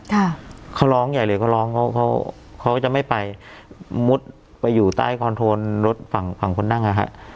ค่ะเขาร้องใหญ่เลยเขาร้องเขาเขาเขาจะไม่ไปมุดไปอยู่ใต้คอนโทนรถฝั่งฝั่งคนนั่งอ่ะฮะ